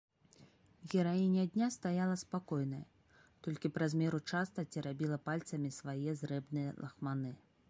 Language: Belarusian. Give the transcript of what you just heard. Гераіня дня стаяла спакойная, толькі праз меру часта церабіла пальцамі свае зрэбныя лахманы.